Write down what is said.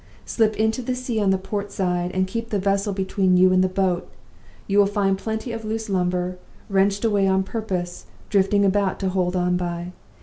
Slip into the sea on the port side, and keep the vessel between you and the boat. You will find plenty of loose lumber, wrenched away on purpose, drifting about to hold on by.